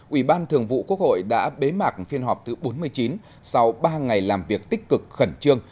ủy ban thường vụ quốc hội đã bế mạc phiên họp thứ bốn mươi chín sau ba ngày làm việc tích cực khẩn trương